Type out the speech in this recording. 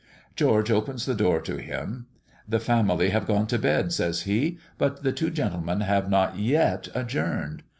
George opens the door to him. "The family have gone to bed," says he, "but the two gentlemen have not yet adjourned."